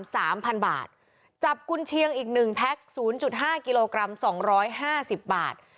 สามพันบาทจับกุญเชียงอีกหนึ่งแพ็คศูนย์จุดห้ากิโลกรัมสองร้อยห้าสิบบาท